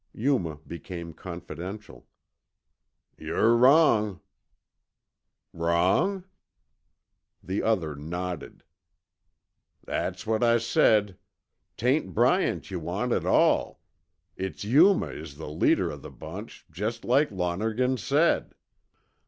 Yuma became confidential. "Yer wrong." "Wrong?" The other nodded. "That's what I said. 'Tain't Bryant yuh want at all. It's Yuma is the leader of the bunch, just like Lonergan said."